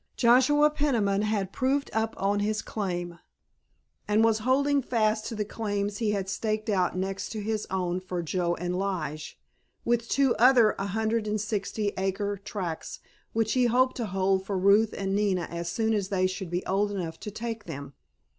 Joshua Peniman had proved up on his claim, and was holding fast to the claims he had staked out next his own for Joe and Lige, with two other 160 acre tracts which he hoped to hold for Ruth and Nina as soon as they should be old enough to take them.